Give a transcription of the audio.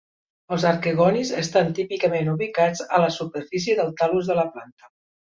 Els arquegonis estan típicament ubicats a la superfície del tal·lus de la planta.